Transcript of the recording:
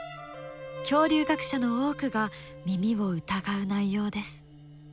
恐竜学者の多くが耳を疑う内容です。